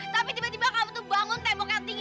tapi tiba tiba kamu tuh bangun tembok yang tinggi